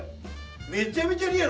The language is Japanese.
めちゃめちゃリアル。